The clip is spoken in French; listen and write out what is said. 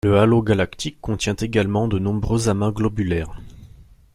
Le halo galactique contient également de nombreux amas globulaires.